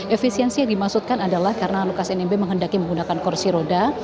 efisiensi yang dimaksudkan adalah karena lukas nmb menghendaki menggunakan kursi roda